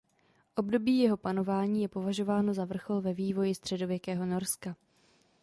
Období jeho panování je považováno za vrchol ve vývoji středověkého Norska.